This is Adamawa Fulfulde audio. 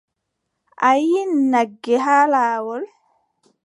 A yiʼi nagge haa laawol.